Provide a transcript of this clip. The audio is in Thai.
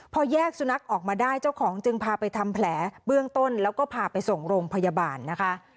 พอแยกสุนัขออกมาได้เจ้าของจึงพาไปทำแผลเบื้องต้นแล้วก็พาไปส่งโรงพยาบาลนะคะ